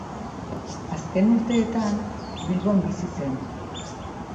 Azken urteetan Bilbon bizi zen.